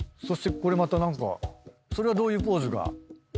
そしてこれまた何かそれはどういうポーズが？